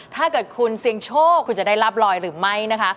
ถ้าเกิดคุณเสี่ยงโชคคุณจะได้รับรอยหรือไม่นะคะ